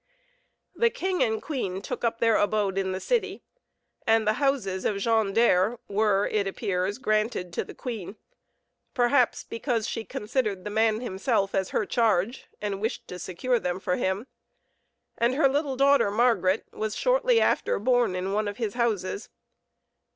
The king and queen took up their abode in the city; and the houses of Jean Daire were, it appears, granted to the queen perhaps, because she considered the man himself as her charge, and wished to secure them for him and her little daughter Margaret was, shortly after, born in one of his houses.